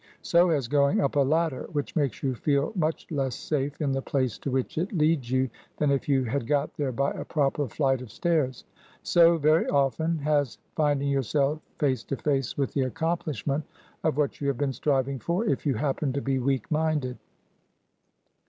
So has going up a ladder; which makes you feel much less safe in the place to which it leads you than if you had got there by a proper flight of stairs. So—very often—has finding yourself face to face with the accomplishment of what you have been striving for, if you happen to be weak minded.